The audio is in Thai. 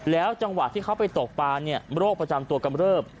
แล้วจังหวะที่เข้าไปตกปลาโรคประจำตัวกำเริบ